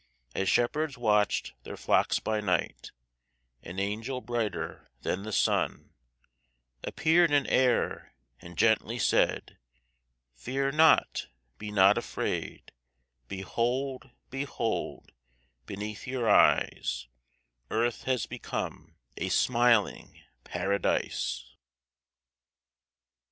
As shepherds watched their flocks by night, An angel brighter than the sun Appeared in air, And gently said, "Fear not, be not afraid, Behold, behold, Beneath your eyes, Earth has become a smiling Paradise."